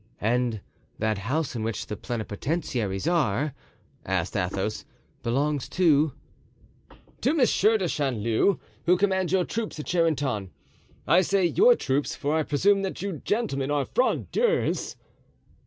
"And that house in which the plenipotentiaries are," asked Athos, "belongs to——" "To Monsieur de Chanleu, who commands your troops at Charenton. I say your troops, for I presume that you gentlemen are Frondeurs?"